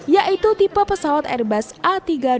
yaitu tipe pesawat airbus a tiga ratus dua puluh